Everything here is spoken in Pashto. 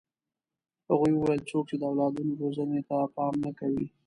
هغوی وویل څوک چې د اولادونو روزنې ته پام نه کوي.